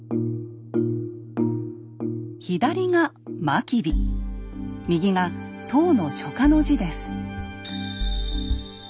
左が真備右が唐の書家の字です。